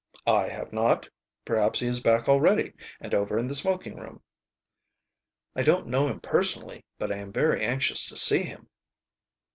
"I have not. Perhaps he is back already and over in the smoking room." "I don't know him personally, but I am very anxious to see him."